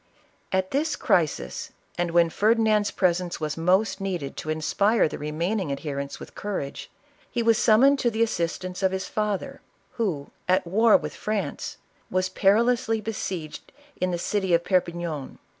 At this crisis, and when Ferdinand's presence was most needed to inspire the remaining adherents with courage, he was summoned to the assistance of his father, who, at war with France, was perilously be sieged in the city of Perpignan.